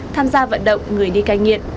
tham gia vận động người đi cai nghiện